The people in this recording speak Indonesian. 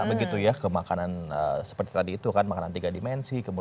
begitu ya ke makanan seperti tadi itu kan makanan tiga dimensi